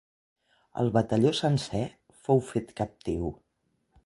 El batalló sencer fou fet captiu.